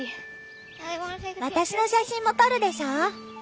私の写真も撮るでしょ？